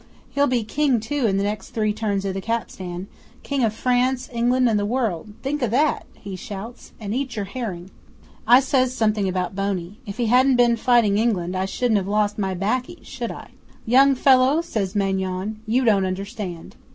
He'll be King, too, in the next three turns of the capstan King of France, England, and the world! Think o' that!" he shouts, "and eat your herring." 'I says something about Boney. If he hadn't been fighting England I shouldn't have lost my 'baccy should I? '"Young fellow," says Maingon, "you don't understand."